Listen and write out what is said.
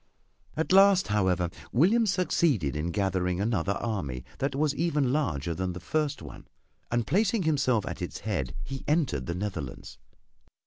At last, however, William succeeded in gathering another army that was even larger than the first one, and placing himself at its head he entered the Netherlands.